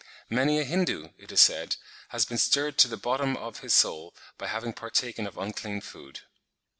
Many a Hindoo, it is said, has been stirred to the bottom of his soul by having partaken of unclean food.